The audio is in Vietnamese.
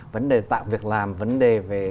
vấn đề tạo việc làm vấn đề về